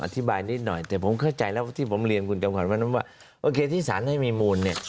แต่ผมเข้าใจแล้วว่าที่ผมเรียนคุณจำขวัญว่าโอเคที่สารให้มีมูลเนี่ย